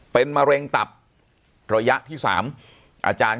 เป็นมะเร็งตับระยะที่๓อาจารย์